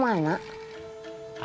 tidak ada urusan sebentar